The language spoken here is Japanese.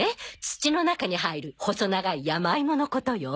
土の中に生える細長い山芋のことよ。